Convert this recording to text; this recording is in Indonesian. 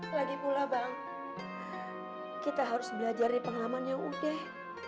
lagi pula bang kita harus belajar dari pengalaman yang udah